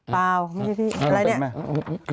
เปล่าไม่ใช่พี่อะไรเนี่ย